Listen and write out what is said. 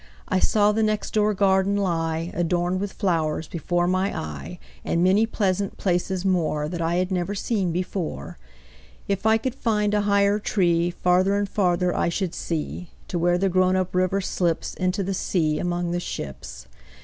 I saw the next door garden lie, Adorned with flowers, before my eye, And many pleasant places moreThat I had never seen before. If I could find a higher treeFarther and farther I should see, To where the grown up river slipsInto the sea among the ships.